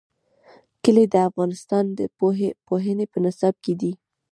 کلي د افغانستان د پوهنې په نصاب کې دي.